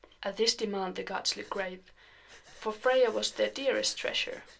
At this demand the gods looked grave; for Freia was their dearest treasure.